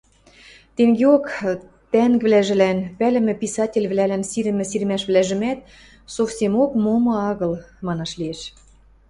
Тӹнгеок тӓнгвлӓжӹлӓн, пӓлӹмӹ писательвлӓлӓн сирӹмӹ сирмӓшвлӓжӹмӓт совсемок момы агыл, манаш лиэш.